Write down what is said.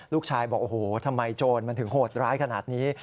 ลูกชายบอกโอ้โหทำไมโจรมันถึงโหดร้ายขนาดนี้